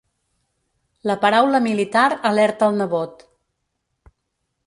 La paraula militar alerta el nebot.